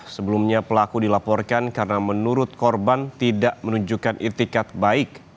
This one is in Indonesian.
sebelumnya pelaku dilaporkan karena menurut korban tidak menunjukkan itikat baik